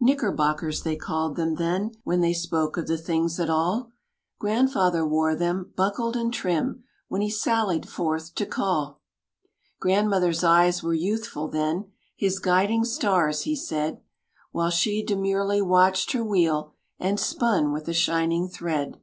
"Knickerbockers" they called them then, When they spoke of the things at all Grandfather wore them, buckled and trim, When he sallied forth to call. Grandmother's eyes were youthful then His "guiding stars," he said; While she demurely watched her wheel And spun with a shining thread.